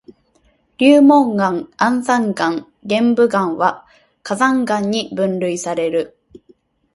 流紋岩、安山岩、玄武岩は火山岩に分類される。